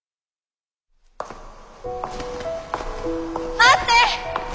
待って！